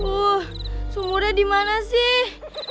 tuh sumurnya dimana sih